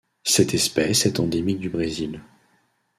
Cette espèce est endémique du Brésil.